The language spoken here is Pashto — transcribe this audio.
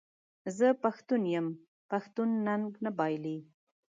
زه پښتون یم پښتون ننګ نه بایلي.